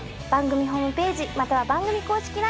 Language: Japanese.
番組ホームページまたは番組公式